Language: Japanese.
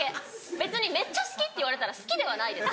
別にめっちゃ好き？って言われたら好きではないです。